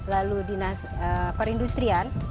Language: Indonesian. lalu dinas perindustrian